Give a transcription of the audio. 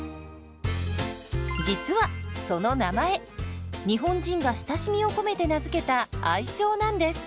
実はその名前日本人が親しみを込めて名付けた愛称なんです。